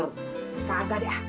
kagak deh kagak